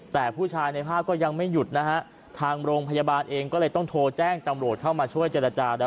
แต่ในภาพผู้ชายก็ยังไม่หยุด